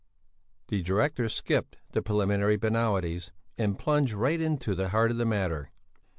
The director skipped the preliminary banalities, and plunged right into the heart of the matter.